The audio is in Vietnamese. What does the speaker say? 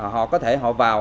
họ có thể họ vào